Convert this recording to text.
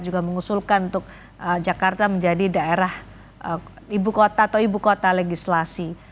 juga mengusulkan untuk jakarta menjadi daerah ibu kota atau ibu kota legislasi